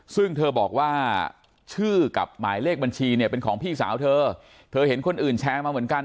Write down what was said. ซึ่งเธอบอกว่าชื่อกับหมายเลขบัญชีเนี่ยเป็นของพี่สาวเธอเธอเห็นคนอื่นแชร์มาเหมือนกัน